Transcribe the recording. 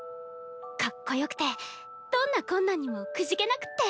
かっこよくてどんな困難にもくじけなくって。